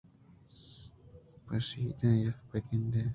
بوشتیت یا بہ گردیت